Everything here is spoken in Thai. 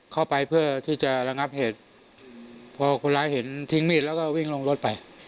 เพื่อที่จะระงับเหตุพอคนร้ายเห็นทิ้งมีดแล้วก็วิ่งลงรถไป